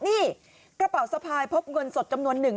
นี่กระเป๋าสะพายพบเงินสดจำนวนหนึ่ง